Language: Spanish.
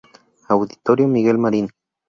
Auditorio "Miguel Marín".